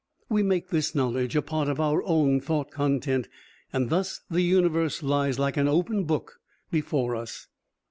We make this knowledge a part of our own thought content, and thus the Universe lies like an open book before us.